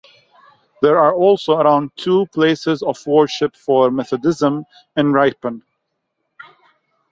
There are also around two places of worship for Methodism in Ripon.